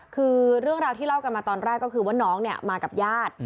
คือเรื่องราวที่เล่ากันมาตอนแรกก็คือว่าน้องเนี่ยมากับญาติ